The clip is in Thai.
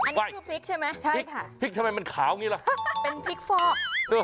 อันนี้คือพริกใช่ไหมใช่ค่ะพริกทำไมมันขาวอย่างนี้ล่ะเป็นพริกฟอก